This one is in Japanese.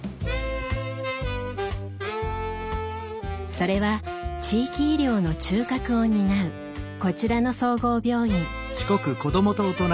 それは地域医療の中核を担うこちらの総合病院。